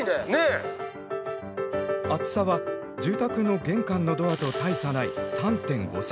厚さは住宅の玄関のドアと大差ない３．５ｃｍ。